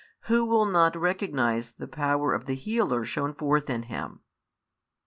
Who will not recognise the power of the Healer shown forth in Him?